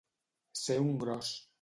Ser un gros.